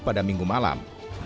pada minggu malam